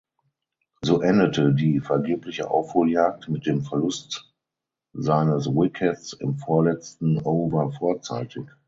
So endete die vergebliche Aufholjagd mit dem Verlust seines Wickets im vorletzten Over vorzeitig.